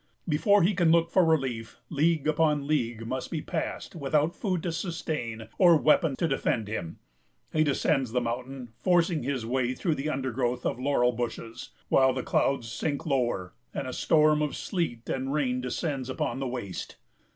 Before he can look for relief, league upon league must be passed, without food to sustain or weapon to defend him. He descends the mountain, forcing his way through the undergrowth of laurel bushes; while the clouds sink lower, and a storm of sleet and rain descends upon the waste.